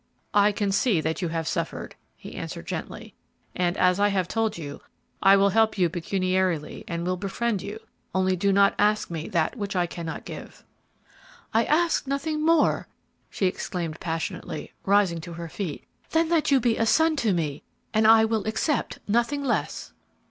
"I can see that you have suffered," he answered, gently; "and, as I have told you, I will help you pecuniarily and will befriend you, only do not ask me that which I cannot give." "I ask nothing more," she exclaimed, passionately, rising to her feet, "than that you be a son to me, and I will accept nothing less."